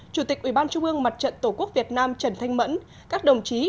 chủ tịch ủy ban trung ương mặt trận tổ quốc việt nam trần thanh mẫn các đồng chí